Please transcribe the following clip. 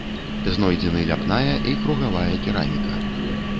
Знойдзены ляпная і кругавая кераміка.